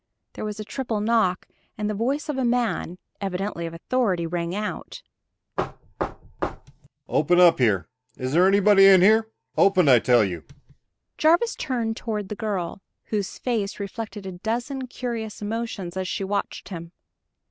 There was a triple knock, and the voice of a man, evidently of authority, rang out. "Open up here. Is there anybody in here? Open, I tell you." Jarvis turned toward the girl, whose face reflected a dozen curious emotions as she watched him.